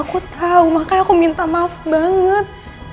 aku tahu makanya aku minta maaf banget